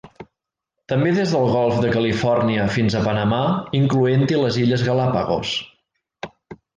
També des del Golf de Califòrnia fins a Panamà, incloent-hi les Illes Galápagos.